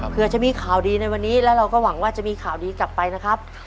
เพื่อจะมีข่าวดีในวันนี้แล้วเราก็หวังว่าจะมีข่าวดีกลับไปนะครับ